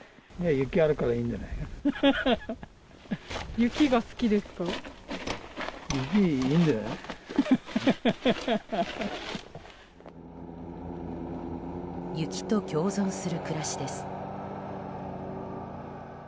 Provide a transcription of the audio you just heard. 雪と共存する暮らしです。